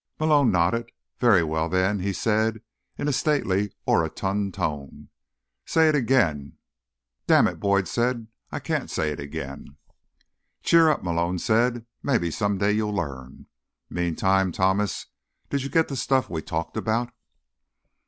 Malone nodded. "Very well, then," he said in a stately, orotund tone. "Say it again." "Damn it," Boyd said, "I can't say it again." "Cheer up," Malone said. "Maybe some day you'll learn. Meantime, Thomas, did you get the stuff we talked about?"